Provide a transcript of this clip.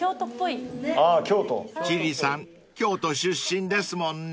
［千里さん京都出身ですもんね］